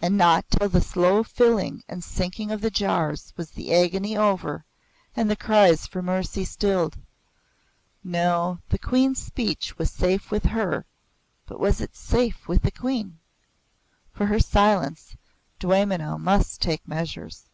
And not till the slow filling and sinking of the jars was the agony over and the cries for mercy stilled. No, the Queen's speech was safe with her, but was it safe with the Queen? For her silence, Dwaymenau must take measures.